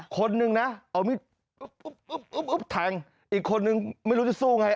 คนนึงนะเอามีดอุ๊บอุ๊บอุ๊บอุ๊บแทงอีกคนนึงไม่รู้จะสู้ไง